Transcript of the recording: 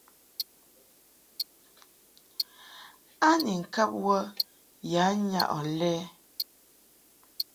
A ni ŋkab wə ya nyaʼ ɔ lɛ ?